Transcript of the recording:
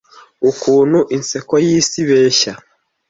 Ukuntu inseko y'Isi ibeshya